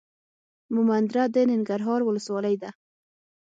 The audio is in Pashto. مومندره د ننګرهار ولسوالۍ ده.